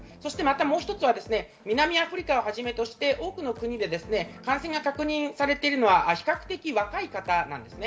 もう一つは南アフリカをはじめとして多くの国で感染が確認されてるのは比較的若い方なんですね。